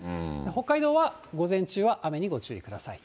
北海道は午前中は雨にご注意ください。